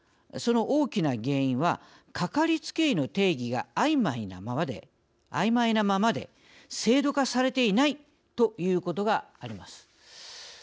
その大きな原因はかかりつけ医の定義があいまいなままで制度化されていないということがあります。